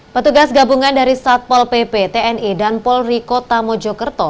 petugas gabungan dari satpol pp tni dan polriko tamo jokerto